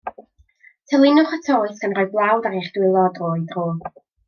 Tylinwch y toes, gan roi blawd ar eich dwylo o dro i dro.